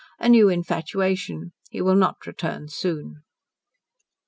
A new infatuation. He will not return soon."